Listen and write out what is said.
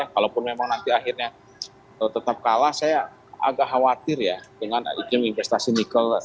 kalaupun memang nanti akhirnya tetap kalah saya agak khawatir ya dengan iklim investasi nikel